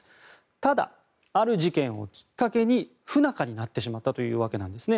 ただ、ある事件をきっかけに不仲になってしまったというわけなんですね。